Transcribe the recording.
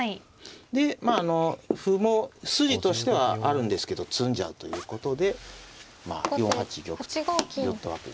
でまあ歩も筋としてはあるんですけど詰んじゃうということで４八玉と寄ったわけですね。